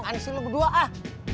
anisin lu berdua ah